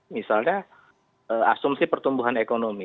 misalnya asumsi pertumbuhan ekonomi